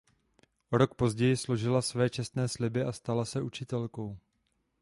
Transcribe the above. O rok později složila své časné sliby a stala se učitelkou.